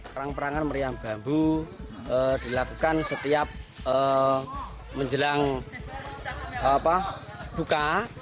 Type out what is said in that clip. perang perangan meriam bambu dilakukan setiap menjelang buka